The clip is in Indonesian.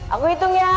aku hitung ya